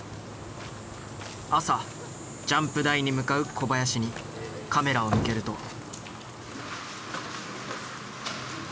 朝ジャンプ台に向かう小林にカメラを向けると。